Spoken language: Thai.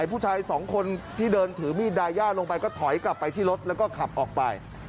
ผู้ชายสองคนที่เดินถือมีดดายาลงไปก็ถอยกลับไปที่รถแล้วก็ขับออกไป